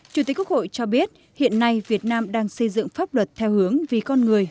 chủ tịch quốc hội cho biết hiện nay việt nam đang xây dựng pháp luật theo hướng vì con người